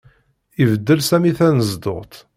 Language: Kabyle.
Ibeddel Sami tanezduɣt.